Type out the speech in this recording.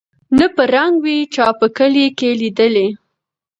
نه په رنګ وې چا په کلي کي لیدلی